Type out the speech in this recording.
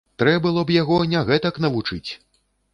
Трэ было б яго не гэтак навучыць.